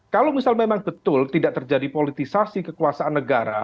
kalau misal memang betul tidak terjadi politisasi kekuasaan negara